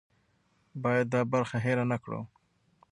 باید دا برخه هېره نه کړو.